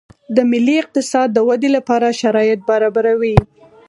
د ملي اقتصاد د ودې لپاره شرایط برابروي